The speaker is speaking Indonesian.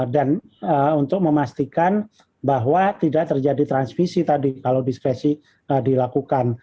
dan untuk memastikan bahwa tidak terjadi transfisi tadi kalau diskresi dilakukan